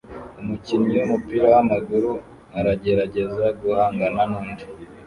Umukinnyi wumupira wamaguru aragerageza guhangana nundi